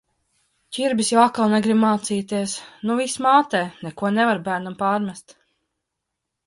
Ķirbis jau atkal negrib mācīties, nu viss mātē, neko nevar bērnam pārmest.